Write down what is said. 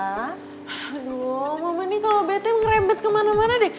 aduh mama nih kalau bete ngerebet kemana mana deh